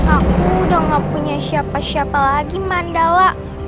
aku udah gak punya siapa siapa lagi mandala